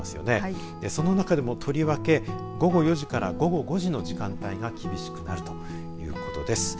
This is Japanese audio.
その中でもとりわけ午後４時から午後５時の時間帯が厳しくなるということです。